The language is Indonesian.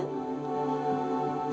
kita masih berdua